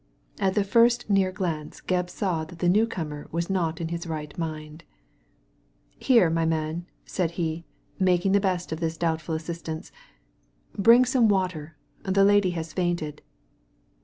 At the first near glance Gebb saw that the newcomer was not in his right mind. " Here, my man/' he said, making the best of this doubtful assistant, "bring some water; the lady has fainted.''